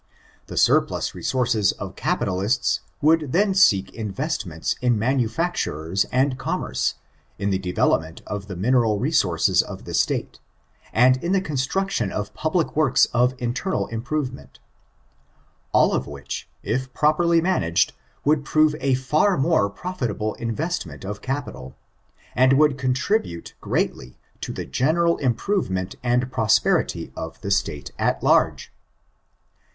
The surplus resources of c^>itali8ts would then seek investments in manufactures and commerce, in the development of the mineral resources of the State, and in the construc tion of public works of internal improvement; all of which, if properly managed, would prove a far more ^ profitable investment of capital, and would contribute greatly to the general improvement and prosperity of the State at large.